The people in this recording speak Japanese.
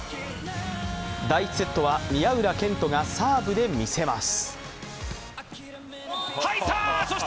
第１セットは、宮浦健人がサーブで見せます。